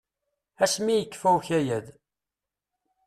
Asmi i yekfa ukayad.